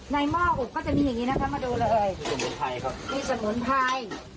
หม้ออบก็จะมีอย่างงี้นะคะมาดูเลยเอ่ยสมุนไพรครับมีสมุนไพร